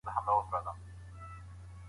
زه تل ستا په یادونو کې د ابد لپاره یم.